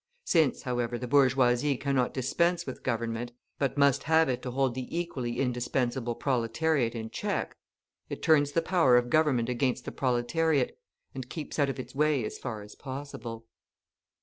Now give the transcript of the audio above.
Since, however, the bourgeoisie cannot dispense with government, but must have it to hold the equally indispensable proletariat in check, it turns the power of government against the proletariat and keeps out of its way as far as possible.